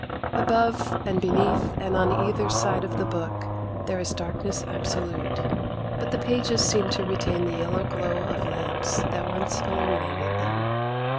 Above and beneath and on either side of the book there is darkness absolute; but the pages seem to retain the yellow glow of lamps that once illuminated them.